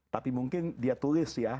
tapi mungkin dia tulis ya